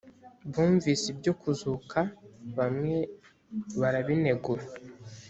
bumvise ibyo kuzuka bamwe barabinegura